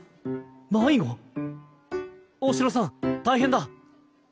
大城さん大変だ。